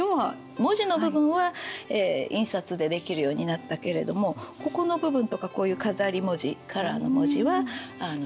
文字の部分は印刷でできるようになったけれどもここの部分とかこういう飾り文字カラーの文字は手で。